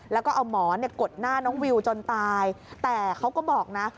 แล้วก็เอาหมอนกดหน้าน้องวิวจนตายแต่เขาก็บอกนะ